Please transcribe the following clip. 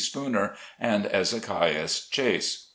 Spooner, and Ezekias Chase.